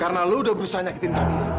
karena lo udah berusaha nyakitin camila